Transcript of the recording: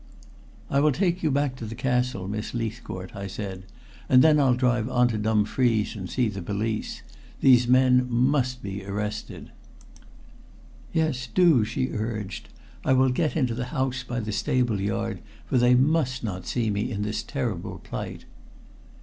"I will take you back to the castle, Miss Leithcourt," I said. "And then I'll drive on into Dumfries and see the police. These men must be arrested." "Yes, do," she urged. "I will get into the house by the stable yard, for they must not see me in this terrible plight."